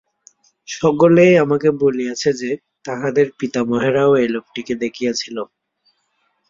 সকলেই আমাকে বলিয়াছে যে, তাহাদের পিতামহেরাও এই লোকটিকে দেখিয়াছিল।